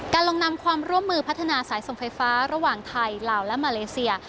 ลงนำความร่วมมือพัฒนาสายส่งไฟฟ้าระหว่างไทยลาวและมาเลเซีย